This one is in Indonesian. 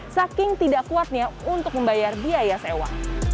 saking tidak kuatnya untuk membayar biaya sewa